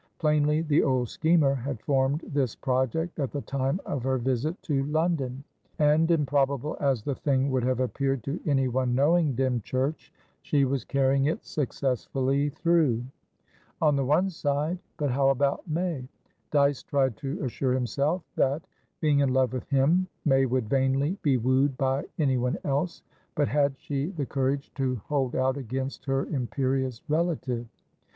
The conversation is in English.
Plainly, the old schemer had formed this project at the time of her visit to London, and, improbable as the thing would have appeared to any one knowing Dymchurch, she was carrying it successfully through. On the one side; but how about May? Dyce tried to assure himself that, being in love with him, May would vainly be wooed by anyone else. But had she the courage to hold out against her imperious relative?